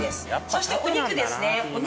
そしてお肉ですねお肉。